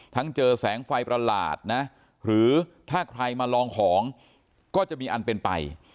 เจอแสงไฟประหลาดนะหรือถ้าใครมาลองของก็จะมีอันเป็นไป